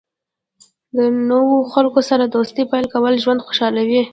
د نوو خلکو سره د دوستۍ پیل کول ژوند خوشحالوي.